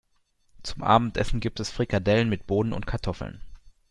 Zum Abendessen gibt es Frikadellen mit Bohnen und Kartoffeln.